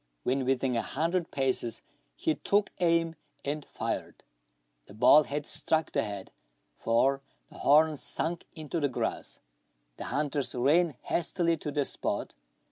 When within a hundred paces he took aim, and fired. The ball had struck the head, for the horns sunk into the grass. The hunters ran hastily to the spot.